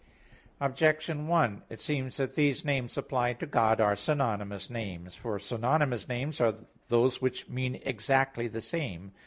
Objection 1: It seems that these names applied to God are synonymous names. For synonymous names are those which mean exactly the same.